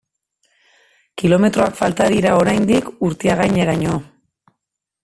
Kilometroak falta dira oraindik Urtiagaineraino.